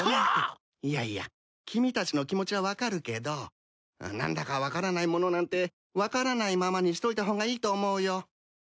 いやいや君たちの気持ちは分かるけど何だか分からないものなんて分からないままにしといた方がいいと思うよ。